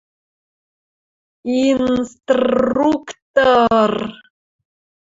И-ин-стр-р-ру-укты-ыр!